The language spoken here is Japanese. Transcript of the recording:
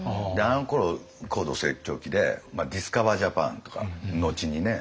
あのころ高度成長期でディスカバー・ジャパンとか後にね。